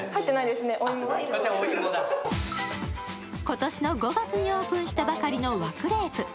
今年の５月にオープンしたばかりの和クレープ。